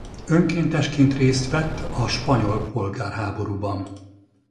Önkéntesként részt vett a spanyol polgárháborúban.